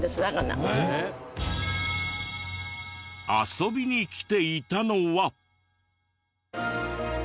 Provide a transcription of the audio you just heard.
遊びに来ていたのは。